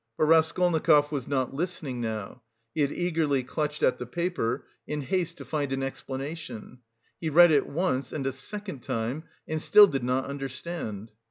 But Raskolnikov was not listening now; he had eagerly clutched at the paper, in haste to find an explanation. He read it once, and a second time, and still did not understand.